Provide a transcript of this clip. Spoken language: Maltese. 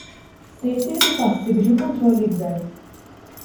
Se jittieħdu passi biex il-kontroll jikber.